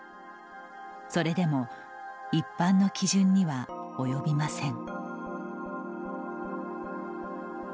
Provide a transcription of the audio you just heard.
それでも一般の基準には及びません。